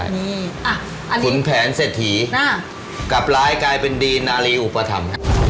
นี่อันนี้ขุนแผนเสถีกับร้ายกลายเป็นดีนนารีอุปธรรม